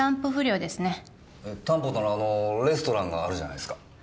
担保ならあのレストランがあるじゃないすか？